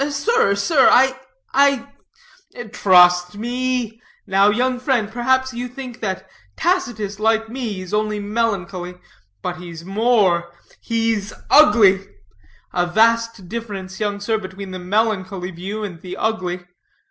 "Sir, sir, I I " "Trust me. Now, young friend, perhaps you think that Tacitus, like me, is only melancholy; but he's more he's ugly. A vast difference, young sir, between the melancholy view and the ugly.